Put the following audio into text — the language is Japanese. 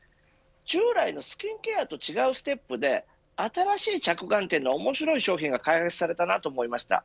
従来のスキンケアと違うステップで新しい着眼点の面白い商品が開発されたなと思いました。